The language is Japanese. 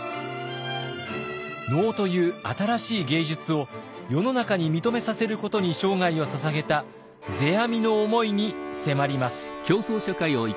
能という新しい芸術を世の中に認めさせることに生涯をささげた世阿弥の思いに迫ります。